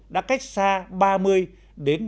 đã cách xa ba mươi đến